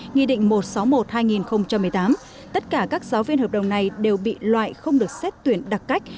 nghị định một trăm sáu mươi một hai nghìn một mươi tám tất cả các giáo viên hợp đồng này đều bị loại không được xét tuyển đặc cách